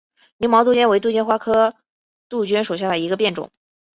凝毛杜鹃为杜鹃花科杜鹃属下的一个变种。